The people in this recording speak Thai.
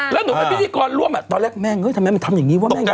แล้วหนูเป็นพิธีกรร่วมตอนแรกแม่ทำไมมันทำอย่างนี้ว่าแม่ง